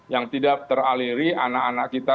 yang tidak teraliri anak anak kita